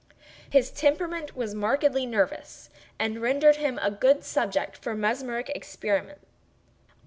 His temperament was markedly nervous, and rendered him a good subject for mesmeric experiment.